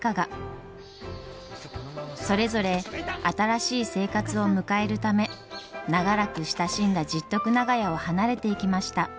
それぞれ新しい生活を迎えるため長らく親しんだ十徳長屋を離れていきました。